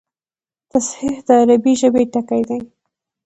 تصحیح د عربي ژبي ټکی دﺉ.